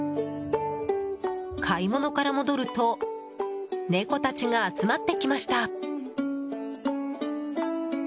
買い物から戻ると猫たちが集まってきました。